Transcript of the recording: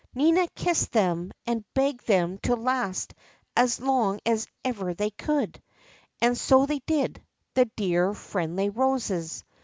Nina kissed them and begged them to last as long as ever they could ! And so they did — the dear, friendly roses.